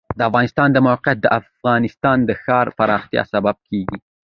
د افغانستان د موقعیت د افغانستان د ښاري پراختیا سبب کېږي.